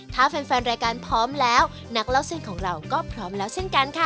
ถ้าแฟนรายการพร้อมแล้วนักเล่าเส้นของเราก็พร้อมแล้วเช่นกันค่ะ